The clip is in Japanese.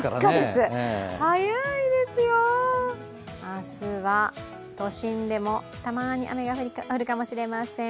明日は、都心でもたまに雨が降るかもしれません。